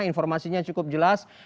informasinya cukup jelas